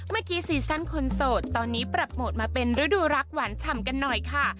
ซีซั่นคนโสดตอนนี้ปรับโหมดมาเป็นฤดูรักหวานฉ่ำกันหน่อยค่ะ